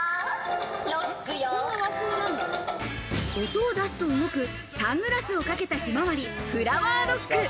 音を出すと動く、サングラスをかけたひまわり、フラワーロック。